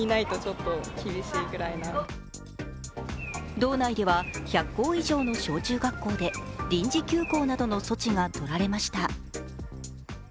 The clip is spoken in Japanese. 道内では１００校以上の小中学生で臨時休校などの措置が取られました。